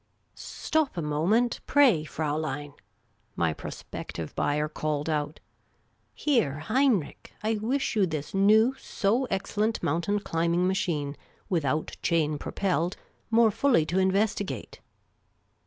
" Stop a moment, pra} , Fraulein," my prospective buyer called out. " Here, Heinrich, I wish j ou this new so ex cellent mountain climbing machine, without chain propelled, more fully to investigate."